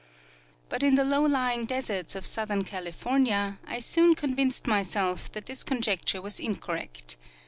But in the low lying deserts of southern Cali fornia I soon convinced myself that this conjecture was incorrect.